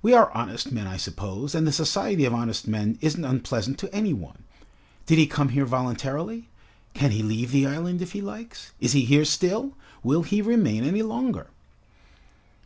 We are honest men, I suppose, and the society of honest men isn't unpleasant to any one. Did he come here voluntarily? Can he leave the island if he likes? Is he here still? Will he remain any longer?"